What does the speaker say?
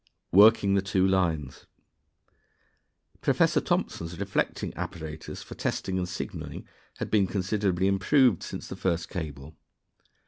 Working the Two Lines. Professor Thomson's reflecting apparatus for testing and signaling had been considerably improved since the first cable.